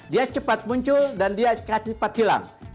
dia cepat muncul dan dia cepat hilang